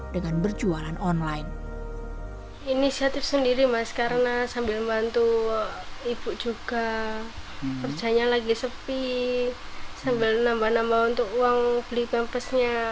dengan berjualan online ini setiap sendiri mas karena